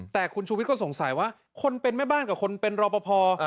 แต่คุณชูวิทย์ก็สงสัยว่าคนเป็นแม่บ้านกับคนเป็นรอปภ